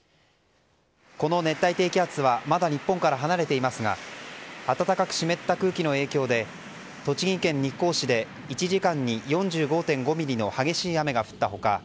この熱帯低気圧はまだ日本から離れていますが暖かく湿った空気の影響で栃木県日光市で１時間に４５．５ミリの激しい雨が降った他